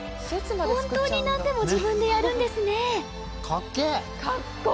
本当に何でも自分でやるんですね！かっけえ！